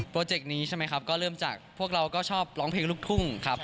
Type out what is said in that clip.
เจกต์นี้ใช่ไหมครับก็เริ่มจากพวกเราก็ชอบร้องเพลงลูกทุ่งครับ